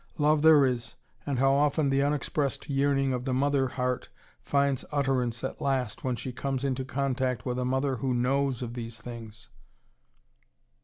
Love there is, and how often the unexpressed yearning of the mother heart finds utterance at last when she comes into contact with a mother who knows of these things.